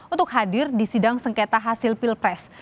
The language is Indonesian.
untuk hadir di sidang sengketa hasil pilpres